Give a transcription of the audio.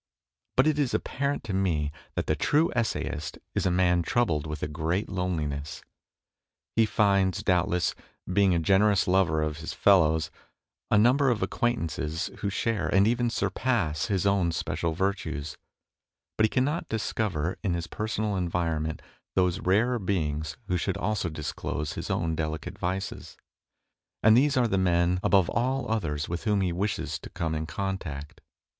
But it is apparent to me that the true essayist is a man troubled with a great loneliness. He finds, doubtless, being a generous lover of his fellows, a number of acquaintances who share and even surpass his own special virtues ; but he can not discover in his personal environment those rarer beings who should also disclose his own delicate vices ; and these are the men above ail others with whom he wishes to come in contact.